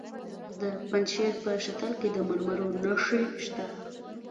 د پنجشیر په شتل کې د مرمرو نښې شته.